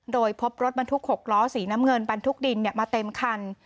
โดยพบรถบรรทุก๖ล้อสีน้ำเงินบรรทุกดินมาเต็มคัน